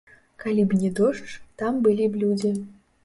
Калі б не дождж, там былі б людзі.